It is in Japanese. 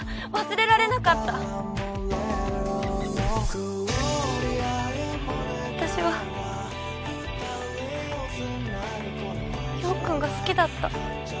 忘れられなかった私は陽君が好きだった。